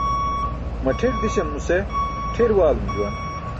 Maṭʰir dísam nusen ṭʰir waalum juwan.